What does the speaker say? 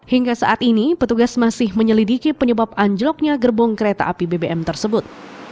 hingga saat ini petugas masih menyelidiki penyebab anjloknya gerbong kereta api bbm tersebut